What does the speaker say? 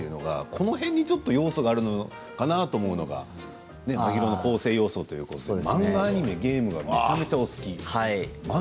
この辺に要素があるのかなと思うのは真宙の構成要素ということで漫画、アニメ、ゲームがめちゃくちゃお好き。